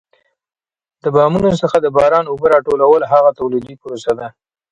د بامونو څخه د باران اوبه را ټولول هغه تولیدي پروسه ده.